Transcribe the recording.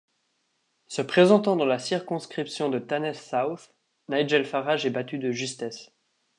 Se présentant dans la circonscription de Thanet South, Nigel Farage est battu de justesse.